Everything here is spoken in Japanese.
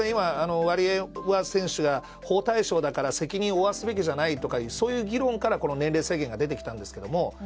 ワリエワ選手が保護対象だから責任を負わすべきじゃないとかそういう議論から年齢制限が出てきたんですけど